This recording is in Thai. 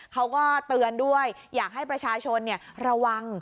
เขาก็เตือนด้วยอยากให้ประชาชนระวัง